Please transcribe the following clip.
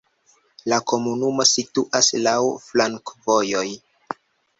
La komunumo situas laŭ flankovojoj.